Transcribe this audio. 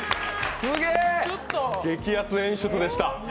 すげえ！激アツ演出でした。